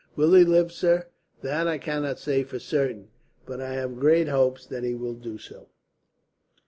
"Will he live, sir?" "That I cannot say for certain, but I have great hopes that he will do so.